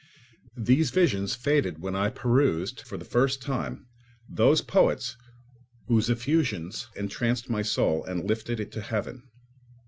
These visions faded when I perused, for the first time, those poets whose effusions entranced my soul and lifted it to heaven.